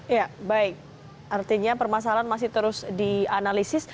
ya baik artinya permasalahan masih terus dianalisis